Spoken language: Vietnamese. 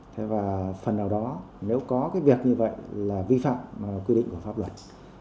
thế và phần nào đó nếu có cái việc như vậy là vi phạm quy định của pháp luật